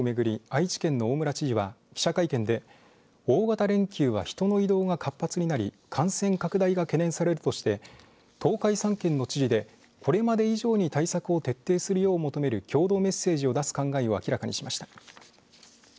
愛知県の大村知事は記者会見で大型連休は人の移動が活発になり感染拡大が懸念されるとして東海３県の知事でこれまで以上に対策を徹底するよう求める共同メッセージを出す考えを明らかにしました。